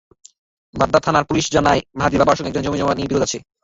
বাড্ডা থানার পুলিশ জানায়, মেহেদীর বাবার সঙ্গে একজনের জমিজমা নিয়ে বিরোধ আছে।